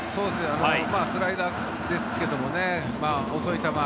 スライダーですけどもね遅い球。